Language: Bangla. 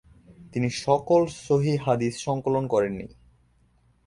তিনি সকল সহিহ হাদীস সংকলন করেননি।